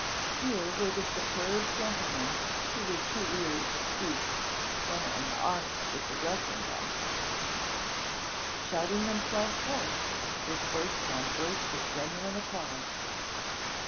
Here were the superb gentlemen who were too weary to speak, when an Art was addressing them, shouting themselves hoarse with burst on burst of genuine applause.